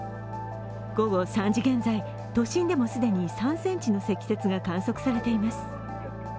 午後３時現在、都心でも既に３ｃｍの積雪が観測されています。